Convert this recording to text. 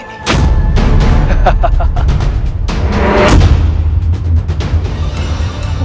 sementara kau akan membusuk ditempat ini